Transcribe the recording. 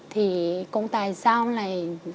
thì cũng tại sao này